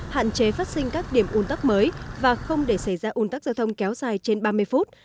hạn chế phát sinh các điểm un tắc mới và không để xảy ra un tắc giao thông kéo dài trên ba mươi phút